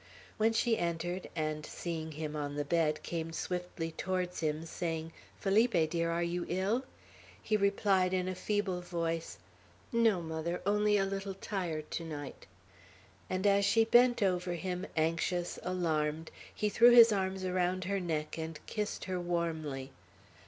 When she entered, and, seeing him on the bed, came swiftly towards him, saying, "Felipe, dear, are you ill?" he replied in a feeble voice, "No, mother, only tired a little to night;" and as she bent over him, anxious, alarmed, he threw his arms around her neck and kissed her warmly.